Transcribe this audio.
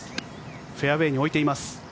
フェアウェーに置いています。